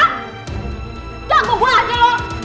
gak aku buah aja lo